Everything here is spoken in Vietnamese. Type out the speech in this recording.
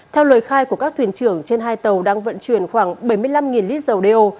theo lời khai của các thuyền trưởng trên hai tàu đang vận chuyển khoảng bảy mươi năm lít dầu đeo